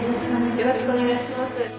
よろしくお願いします。